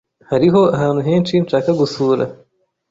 Hariho ahantu henshi nshaka gusura.